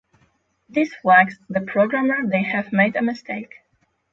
This flags to the programmer they have made a mistake